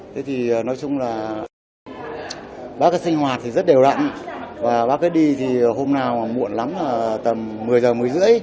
thế thì nói chung là bác cái sinh hoạt thì rất đều đặn và bác cái đi thì hôm nào mà muộn lắm là tầm một mươi h một mươi h ba mươi